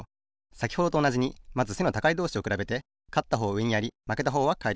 さきほどとおなじにまず背の高いどうしをくらべてかったほうをうえにやりまけたほうはかえります。